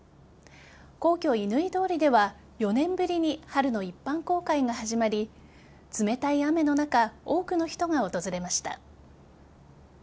皇居・乾通りでは４年ぶりに春の一般公開が始まり冷たい雨の中多くの人が訪れました。